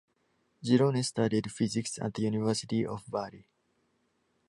Girone studied physics at the University of Bari.